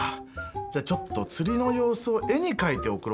じゃあちょっと釣りの様子を絵に描いて送ろうかな。